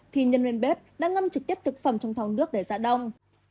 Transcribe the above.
thì nhân viên bếp đã ngâm trực tiếp thực phẩm trong thòng nước để dạ đông